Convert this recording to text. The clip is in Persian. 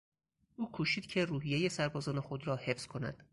او کوشید که روحیهی سربازان خود را حفظ کند.